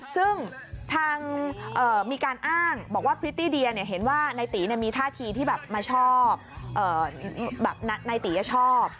ซึ่งบอกพลุทตี้เดียวเห็นว่าก็มีท่าทีที่แบบนายชอบ